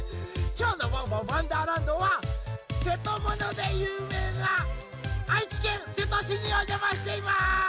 きょうの「ワンワンわんだーらんど」はせとものでゆうめいな愛知県瀬戸市におじゃましています！